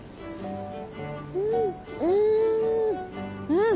うん！